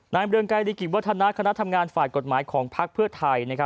นายเบือนไกรกิจวัฒนาคณะทำงานฝ่ายกฎหมายของภาคเพื่อไทย